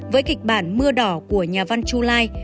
với kịch bản mưa đỏ của nhà văn chu lai